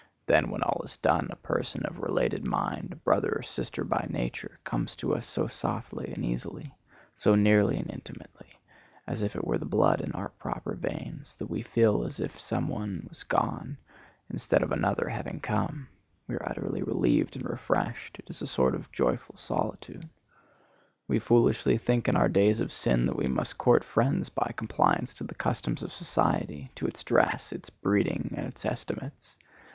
Then, when all is done, a person of related mind, a brother or sister by nature, comes to us so softly and easily, so nearly and intimately, as if it were the blood in our proper veins, that we feel as if some one was gone, instead of another having come; we are utterly relieved and refreshed; it is a sort of joyful solitude. We foolishly think in our days of sin that we must court friends by compliance to the customs of society, to its dress, its breeding, and its estimates.